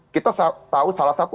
kita tahu salah satu